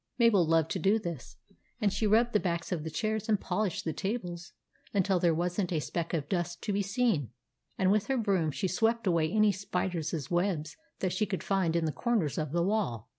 Mabel loved to do this, and she rubbed the backs of the chairs and polished the tables until there was n't a speck of dust to be seen ; and with her broom she swept away any spiders' webs that she could find in the corners of the wall.